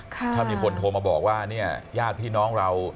ถ้ามีคนโทรมาบอกว่าเนี่ยญาติพี่น้องเรา